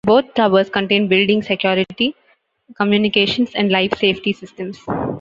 Both towers contain building security, communications, and life-safety systems.